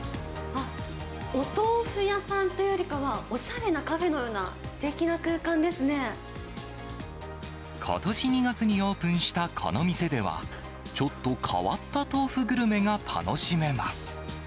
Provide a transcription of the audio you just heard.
あっ、お豆腐屋さんというよりかは、おしゃれなカフェのような、ことし２月にオープンしたこの店では、ちょっと変わった豆腐グルメが楽しめます。